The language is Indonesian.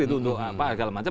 untuk apa segala macam